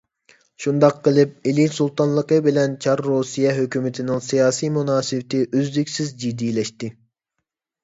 شۇنداق قىلىپ، ئىلى سۇلتانلىقى بىلەن چار رۇسىيە ھۆكۈمىتىنىڭ سىياسىي مۇناسىۋىتى ئۈزلۈكسىز جىددىيلەشتى.